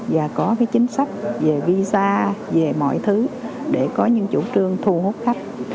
và có cái chính sách về visa về mọi thứ để có những chủ trương thu hút khách